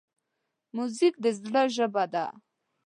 موزیک د زړه ژبه ده.